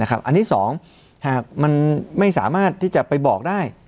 อันนี้๒หากมันไม่สามารถที่จะไปบอกได้